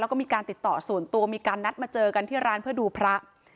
แล้วก็มีการติดต่อส่วนตัวมีการนัดมาเจอกันที่ร้านเพื่อดูพระ